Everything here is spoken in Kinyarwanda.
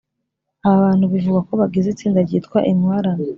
aba bantu bivugwa ko bagize itsinda ryitwa intwarane